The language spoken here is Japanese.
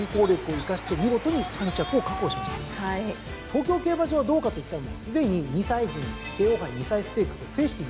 東京競馬場はどうかといったらすでに２歳時に京王杯２歳ステークスを制しています。